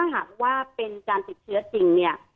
หากว่าเป็นการติดเชื้อจริงเนี่ย